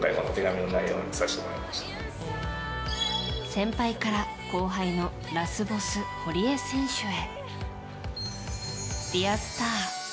先輩から後輩のラスボス堀江選手へ。